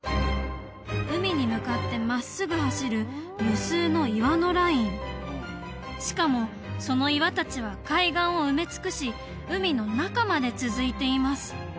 海に向かって真っすぐ走る無数の岩のラインしかもその岩達は海岸を埋め尽くし海の中まで続いています